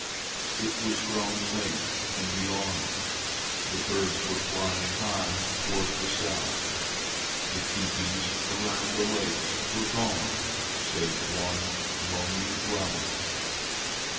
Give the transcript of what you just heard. It was growing late in the autumn. The birds were flying high toward the south. The teepees around the lakes were gone, save one lonely dwelling.